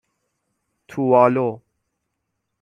تووالو